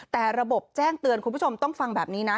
แต่ระบบแจ้งเตือนคุณผู้ชมต้องฟังแบบนี้นะ